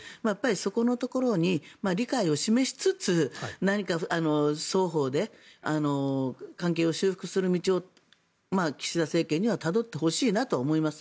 そこのところに理解を示しつつ何か双方で関係を修復する道を岸田政権にはたどってほしいなと思います。